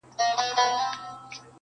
تا خو جهاني د سباوون په تمه ستړي کړو؛